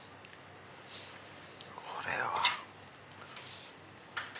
これは。